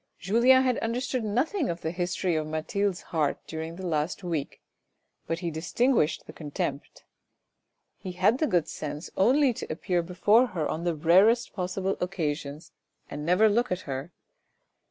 Julien had understood nothing of the history of Mathilde's heart during the last week, but he distinguished the contempt. He had the good sense only to appear before her on the rarest possible occasions, and never looked at her.